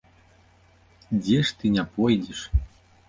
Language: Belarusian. Дзе ж ты не пойдзеш!